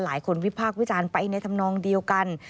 วิพากษ์วิจารณ์ไปในธรรมนองเดียวกัน